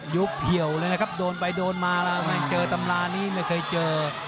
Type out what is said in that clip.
เหี่ยวเลยนะครับโดนไปโดนมาแล้วเจอตำรานี้ไม่เคยเจอ